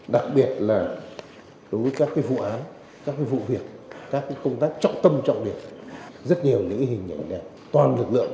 đặc biệt là đối với các vụ án các vụ việc các công tác trọng tâm trọng điểm rất nhiều những hình ảnh toàn lực lượng